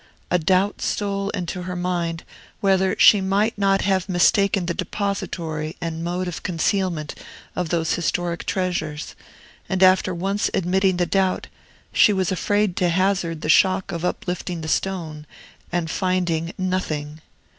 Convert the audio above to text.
A doubt stole into her mind whether she might not have mistaken the depository and mode of concealment of those historic treasures; and after once admitting the doubt, she was afraid to hazard the shock of uplifting the stone and finding nothing.